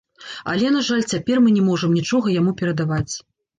Але, на жаль, цяпер мы не можам нічога яму перадаваць.